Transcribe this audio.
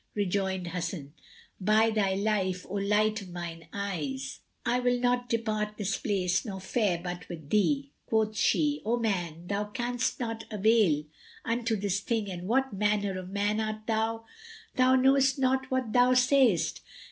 Rejoined Hasan, "By thy life, O light of mine eyes, I will not depart this place nor fare but with thee!" Quoth she, "O man! How canst thou avail unto this thing and what manner of man art thou? Thou knowest not what thou sayest!